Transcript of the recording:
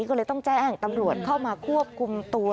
ก็เลยต้องแจ้งตำรวจเข้ามาควบคุมตัว